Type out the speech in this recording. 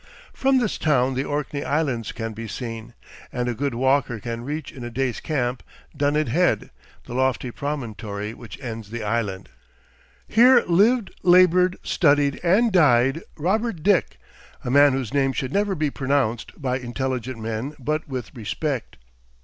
From this town the Orkney Islands can be seen, and a good walker can reach in a day's tramp Dunnet Head, the lofty promontory which ends the Island. Here lived, labored, studied, and died, Robert Dick, a man whose name should never be pronounced by intelligent men but with respect.